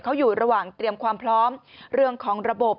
เขาอยู่ระหว่างเตรียมความพร้อมเรื่องของระบบ